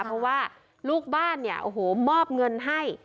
เพราะว่าลูกบ้านเนี่ยโอ้โหมอบเงินให้